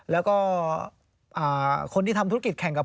แล้วก็คนที่ทำธุรกิจแข่งกับ